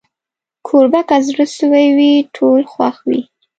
کوربه که زړه سوي وي، ټول خوښ وي.